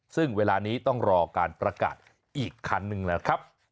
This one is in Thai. ซึ่งเวลานี้ต้องรอการประกาศอีกคันหนึ่งแล้วครับ